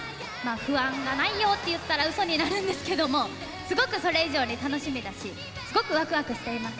不安がないよって言ったらうそになるんですけども、すごくそれ以上に楽しみだし、すごくわくわくしています。